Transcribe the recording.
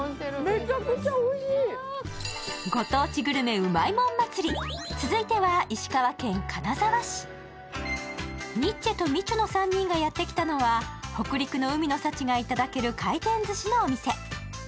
めちゃくちゃおいしいご当地グルメうまいもん祭り続いては石川県金沢市ニッチェとみちゅの３人がやってきたのは北陸の海の幸がいただける回転寿司のお店